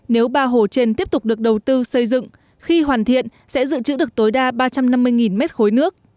nếu ba hồ trên tiếp tục được đầu tư xây dựng khi hoàn thiện sẽ dự trữ được tối đa ba trăm năm mươi m ba nước